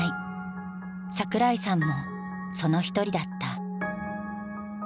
桜井さんもその一人だった。